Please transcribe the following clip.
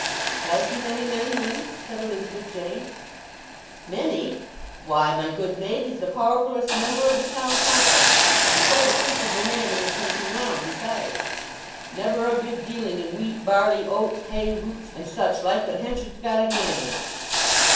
"Has he many men, then?" said Elizabeth Jane. "Many! Why, my good maid, he's the powerfullest member of the Town Council, and quite a principal man in the country round besides. Never a big dealing in wheat, barley, oats, hay, roots, and such like but Henchard's got a hand in it.